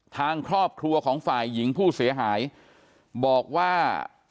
ทางครอบครัวของฝ่ายหญิงผู้เสียหายบอกว่า